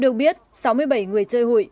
được biết sáu mươi bảy người chơi hủy